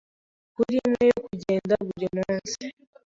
kuri imwe yo kugenda buri munsi.